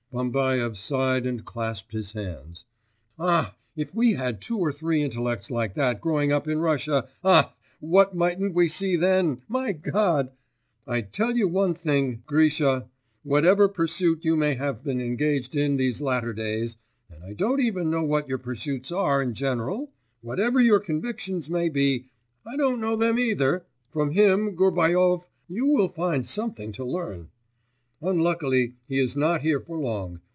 Bambaev sighed and clasped his hands. 'Ah, if we had two or three intellects like that growing up in Russia, ah, what mightn't we see then, my God! I tell you one thing, Grisha; whatever pursuit you may have been engaged in in these latter days and I don't even know what your pursuits are in general whatever your convictions may be I don't know them either from him, Gubaryov, you will find something to learn. Unluckily, he is not here for long.